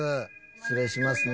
失礼しますね。